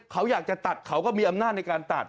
เขาอยากจะตัดเขาก็มีอำนาจในการตัด